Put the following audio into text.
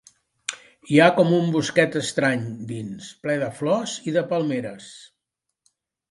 Hi ha com un bosquet estrany, dins, ple de flors i de palmeres.